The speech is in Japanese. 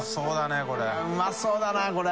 うまそうだねこれ。